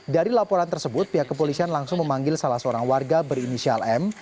dari laporan tersebut pihak kepolisian langsung memanggil salah seorang warga berinisial m